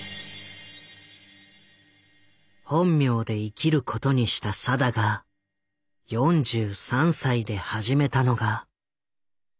本名で生きることにした定が４３歳で始めたのが。